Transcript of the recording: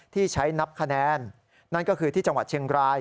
ที่ใช้นับคะแนนนั่นก็คือที่จังหวัดเชียงราย